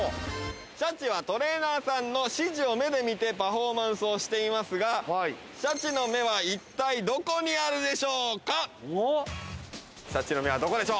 シャチはトレーナーさんの指示を目で見てパフォーマンスをしていますが、シャチの目は一体どこにあるでしょうか？